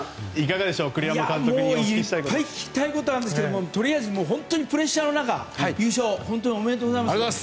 いっぱい聞きたいことあるんですけどプレッシャーの中優勝、おめでとうございます。